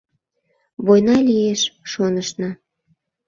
Война лиеш шонышна.